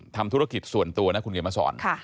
ทำธุรกิจส่วนตัวนะคุณเขียนมาสอน